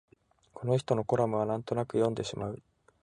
この人のコラムはなんとなく読んでしまう